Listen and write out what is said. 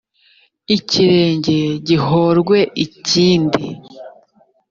ikirenge gihorwe ikindi.